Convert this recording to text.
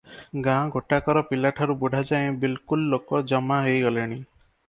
ଗାଁ ଗୋଟାକର ପିଲାଠାରୁ ବୁଢ଼ାଯାଏ ବିଲକୁଲ ଲୋକ ଜମା ହୋଇଗଲେଣି ।